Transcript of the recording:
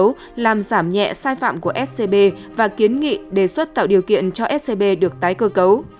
không đầy đủ các sai phạm của scb và kiến nghị đề xuất tạo điều kiện cho scb được tái cơ cấu